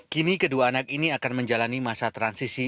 kini kedua anak ini akan menjalani masa transisi